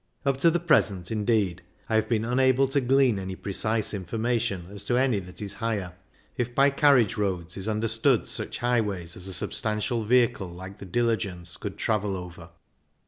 Up to the present, indeed, I have been unable to glean any precise informa tion as to any that is higher, if by carriage roads is understood such highways as a substantial vehicle like the diligence could travel over.